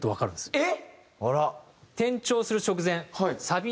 えっ？